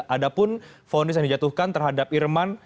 ada pun fonis yang dijatuhkan terhadap irman